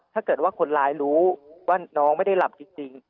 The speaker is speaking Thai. ถ้าเกิดว่าคนร้ายรู้ว่าน้องไม่ได้หลับจริง